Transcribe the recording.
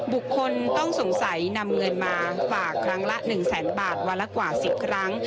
บุคคลต้องสงสัยนำเงินมาฝากครั้งละ๑แสนบาทวันละกว่า๑๐ครั้ง